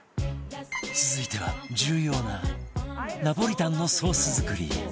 続いては重要なナポリタンのソース作り